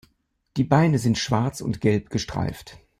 Die Beine sind schwarz und gelb gestreift.